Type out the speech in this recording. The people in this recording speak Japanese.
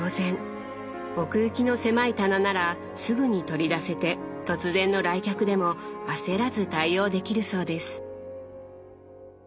奥行きの狭い棚ならすぐに取り出せて突然の来客でも焦らず対応できるそうです。